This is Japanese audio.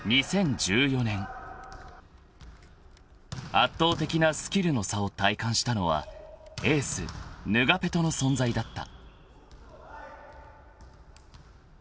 ［圧倒的なスキルの差を体感したのはエースヌガペトの存在だった］